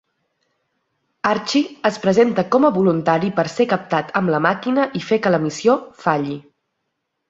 Archie es presenta com a voluntari per ser captat amb la màquina i fer que la missió "falli".